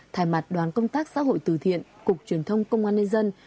thay mặt đoàn công tác xã hội từ thiện cục truyền thông công an nhân dân